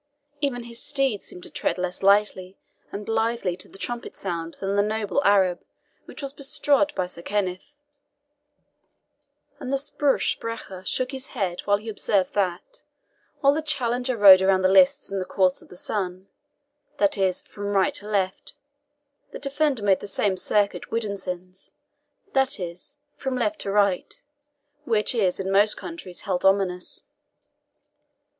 Even his steed seemed to tread less lightly and blithely to the trumpet sound than the noble Arab which was bestrode by Sir Kenneth; and the SPRUCH SPRECHER shook his head while he observed that, while the challenger rode around the lists in the course of the sun that is, from right to left the defender made the same circuit WIDDERSINS that is, from left to right which is in most countries held ominous.